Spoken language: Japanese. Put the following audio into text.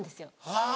あぁ。